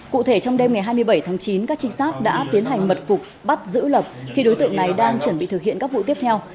cụ thể trong đêm ngày hai mươi bảy tháng chín các trinh sát đã tiến hành mật phục bắt giữ lập khi đối tượng này đang chuẩn bị thực hiện các vụ tiếp theo